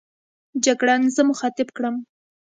جګړن زه مخاطب کړم.